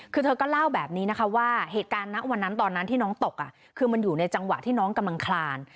คือเธอก็เล่าแบบนี้นะคะว่าเหตุการณ์ณวันนั้นตอนนั้นที่น้องตกคือมันอยู่ในจังหวะที่น้องกำลังคลาน